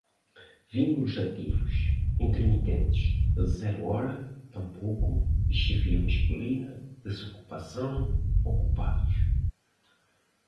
vínculos ativos, intermitentes, zero hora, tampouco, chefia masculina, desocupação, ocupados